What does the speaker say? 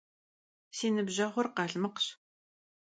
Si nıbjeğur khalmıkhş.